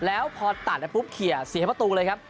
แล้วพอตัดแล้วปุ๊บเคลียร์เสียประตูเลยครับ